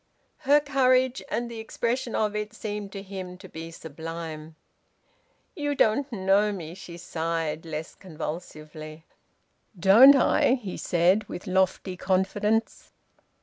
Her courage, and the expression of it, seemed to him to be sublime. "You don't know me!" she sighed, less convulsively. "Don't I!" he said, with lofty confidence.